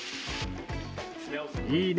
いいね。